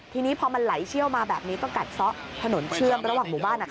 ทีนี้พอมันไหลเชี่ยวมาแบบนี้ก็กัดซะถนนเชื่อมระหว่างหมู่บ้าน